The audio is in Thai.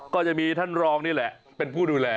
ก็จะมีท่านรองนี่แหละเป็นผู้ดูแล